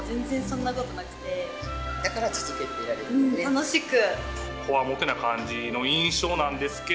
楽しく。